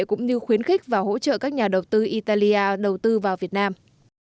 cũng như khuyến khích và hỗ trợ các nhà đầu tư italia đầu tư vào việt nam